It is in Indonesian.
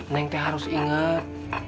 neng teh harus inget